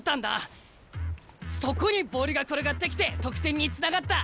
そこにボールが転がってきて得点につながった。